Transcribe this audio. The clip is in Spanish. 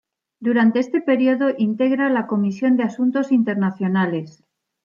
Durante este período integra la Comisión de Asuntos Internacionales.